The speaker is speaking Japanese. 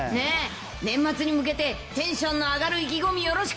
年末に向けて、テンションの上がる意気込みよろしく。